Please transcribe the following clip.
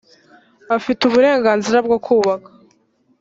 afite uburenganzira bwo kubaka